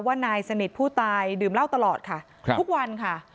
นายสนิทผู้ตายดื่มเหล้าตลอดค่ะทุกวันค่ะ